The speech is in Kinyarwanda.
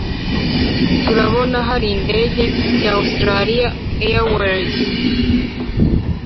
turabona hari indege ya australia airways